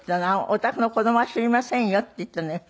「おたくの子供は知りませんよ」って言ったのよ。